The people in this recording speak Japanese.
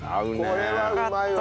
これはうまいわ。